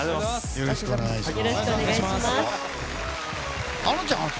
よろしくお願いします。